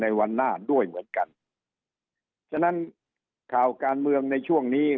วันหน้าด้วยเหมือนกันฉะนั้นข่าวการเมืองในช่วงนี้